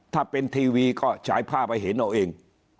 ถ้าเป็นทีวีก็ฉายภาพให้เห็นเอาเอง